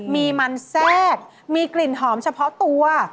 มีมันแทรกมีกลิ่นหอมเฉพาะตัว